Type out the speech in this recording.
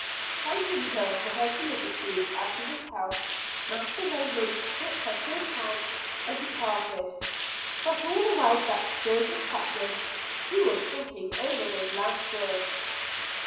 Thanking her for her solicitude as to his health, Master Raymond shook her thin hand and departed. But all the ride back to Joseph Putnam's, he was thinking over those last words.